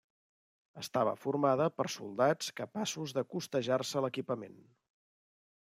Estava formada per soldats capaços de costejar-se l'equipament.